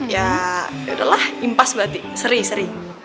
ya yaudahlah impas berarti seri seri